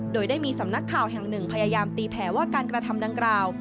โดยได้มีสำนักข่าวแห่งหนึ่งพยายามตีแผลว่าการกระทำดังกล่าว